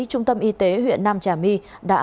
trung tâm y tế huyện nam trà my đã